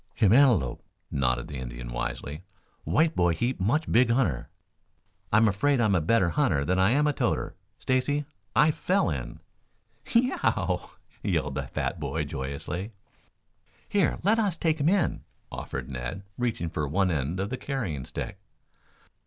"Him antelope," nodded the Indian wisely. "White boy heap much big hunter." "I'm afraid I am a better hunter than I am a toter. Stacy, I fell in." "Ye e e ow!" yelled the fat boy joyously. "Here, let us take him in," offered Ned, reaching for one end of the carrying stick.